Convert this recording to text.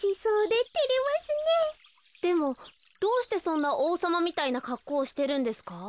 でもどうしてそんなおうさまみたいなかっこうをしてるんですか？